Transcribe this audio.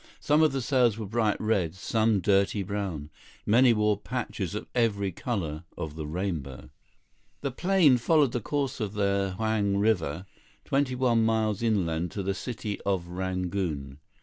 Some of the sails were bright red, some dirty brown. Many wore patches of every color of the rainbow. The plane followed the course of the Hlaing River, twenty one miles inland to the city of Rangoon.